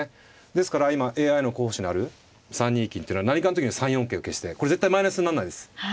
ですから今ＡＩの候補手にある３二金っていうのは何かの時には３四桂を消してこれ絶対マイナスにならないです。